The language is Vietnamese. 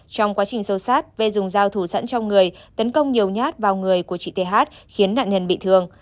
trong quá trình sâu sát vê dùng dao thủ sẵn trong người tấn công nhiều nhát vào người của chị th khiến nạn nhân bị thương